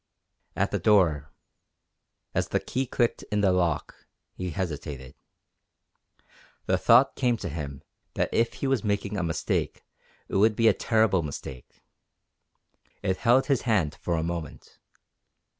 At the door, as the key clicked in the lock, he hesitated. The thought came to him that if he was making a mistake it would be a terrible mistake. It held his hand for a moment.